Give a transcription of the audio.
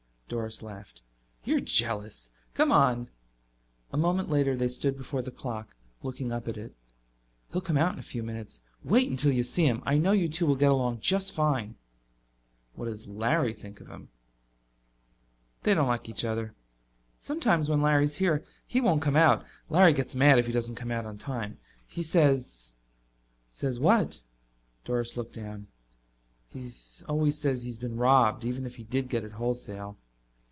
Doris laughed. "You're jealous! Come on." A moment later they stood before the clock, looking up at it. "He'll come out in a few minutes. Wait until you see him. I know you two will get along just fine." "What does Larry think of him?" "They don't like each other. Sometimes when Larry's here he won't come out. Larry gets mad if he doesn't come out on time. He says " "Says what?" Doris looked down. "He always says he's been robbed, even if he did get it wholesale."